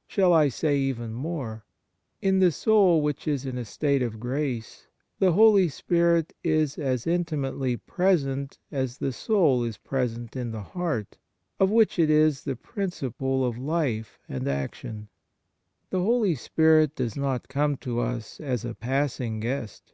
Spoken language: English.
... Shall I say even more ? In the soul which is in a state of grace the Holy Spirit is as intimately present as the soul is present in the heart, of which it is the principle of life and action." 1 The Holy Spirit does not come to us as a passing guest.